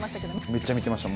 めっちゃ見てました。